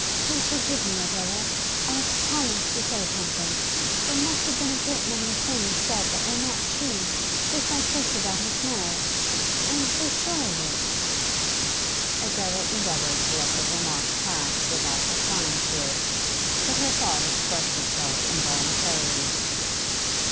'Do forgive me, Adela. I have promised toto say something. There must have been a great many things said that were not true, just like this about his marriage; I am so sure of it.' Adela endeavoured to let the remark pass without replying to it. But her thought expressed itself involuntarily.